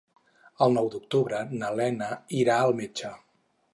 El nou d'octubre na Lena irà al metge.